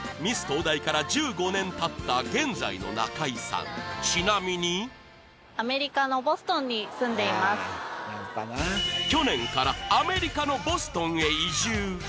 東大から１５年たった現在の中井さんちなみに去年からアメリカのボストンへ移住